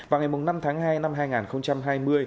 vào ngày năm tháng hai năm hai nghìn hai mươi